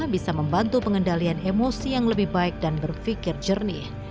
bisa membantu pengendalian emosi yang lebih baik dan berpikir jernih